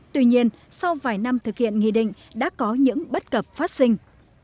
tuy nhiên sau vài năm thực hiện nghị định đã có những bất cập phát sinh